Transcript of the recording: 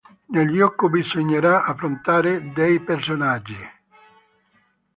Nel gioco bisognerà affrontare dei personaggi.